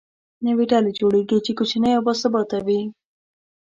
نوې ډلې جوړېږي، چې کوچنۍ او باثباته وي.